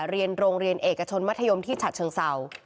เรียนโรงเรียนเอกชนมัธยมที่ฉัดเชิงเศร้า